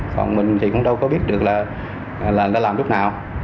còn mình thì cũng đâu có biết được là làm lúc nào